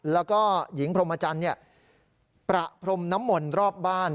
แล้วก็หญิงพรมจันทร์ประพรมน้ำมนต์รอบบ้าน